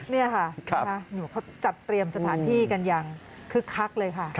นี่ค่ะเขาจัดเตรียมสถานที่กันอย่างคึกคักเลยค่ะ